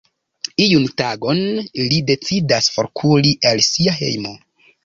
Iun tagon li decidas forkuri el sia hejmo.